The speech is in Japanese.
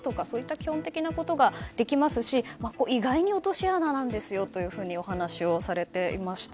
基本的なことができますし意外に落とし穴ですとお話をされていました。